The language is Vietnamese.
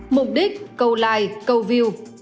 mục đích cầu like cầu view